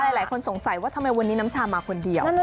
หลายคนสงสัยว่าทำไมวันนี้น้ำชามาคนเดียว